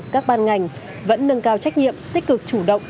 các ban ngành vẫn nâng cao trách nhiệm tích cực chủ động